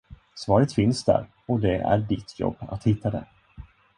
Svaret finns där, och det är ditt jobb att hitta det.